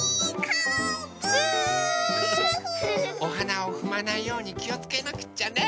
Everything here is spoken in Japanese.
おはなをふまないようにきをつけなくっちゃね。